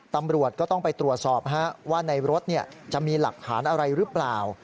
ตำรวจก็ต้องไปตรวจสอบว่าในรถจะมีหลักฐานอะไรหรือเปล่า